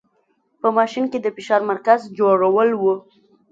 په ماشین کې د فشار مرکز جوړول و.